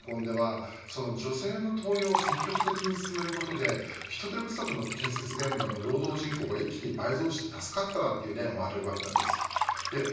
反対に、大手のゼネコンでは女性の登用を積極的に進めることで人手不足の建設現場の労働人口が一気に倍増して助かったという例もあります。